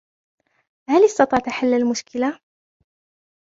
هل استطعت حل المشكلة ؟